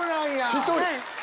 １人！